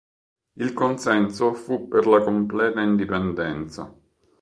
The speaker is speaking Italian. Il consenso fu per la completa indipendenza.